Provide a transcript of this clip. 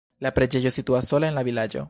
La preĝejo situas sola en la vilaĝo.